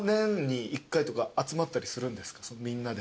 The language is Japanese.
みんなで。